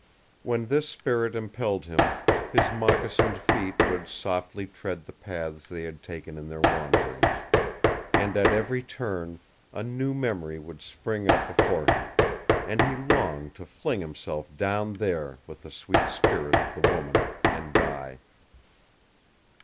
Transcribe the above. When this spirit impelled him his moccasined feet would softly tread the paths they had taken in their wanderings; and at every turn a new memory would spring up before him, and he longed to fling himself down there with the sweet spirit of the woman and die.